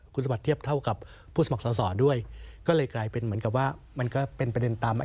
คุณสมบัติเทียบเท่ากับผู้สมัครสอสอด้วยก็เลยกลายเป็นเหมือนกับว่ามันก็เป็นประเด็นตามมา